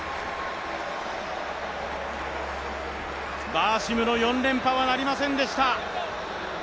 バーシムの４連覇はなりませんでした。